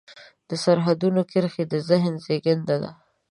د سرحدونو کرښې د ذهن زېږنده دي.